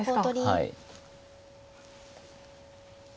はい。